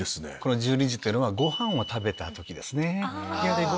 １２時というのはごはんを食べた時ですね。